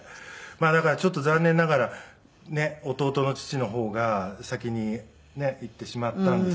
だからちょっと残念ながら弟の父の方が先にねえ逝ってしまったんですけども。